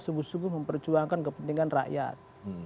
sebuah sebuah memperjuangkan kepentingan rakyat